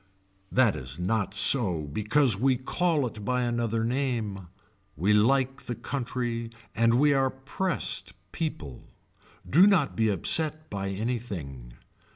That is not so because we call it by another name. We like the country and we are pressed people. Do not be upset by anything.